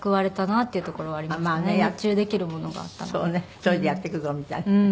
一人でやっていくぞみたいなね。